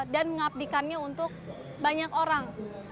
dan mengabdikannya untuk banyak orang